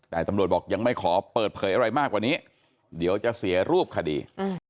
แต่ตำรวจบอกยังไม่ขอเปิดเผยอะไรมากกว่านี้เดี๋ยวจะเสียรูปคดี